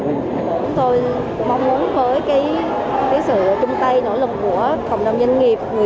chúng tôi mong muốn với cái sự chung tay nỗ lực của cộng đồng doanh nghiệp người dân